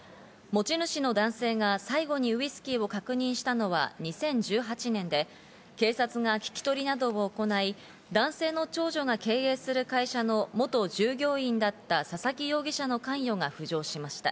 持ち主の男性が最後にウイスキーを確認したのは２０１８年で、警察が聞き取りなどを行い、男性の長女が経営する会社の元従業員だった佐々木容疑者の関与が浮上しました。